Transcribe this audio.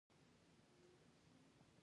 هغه بله اندازه کار د پانګوال لپاره کړی دی